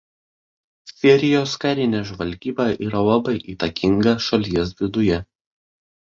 Sirijos karinė žvalgyba yra labai įtakinga šalies viduje.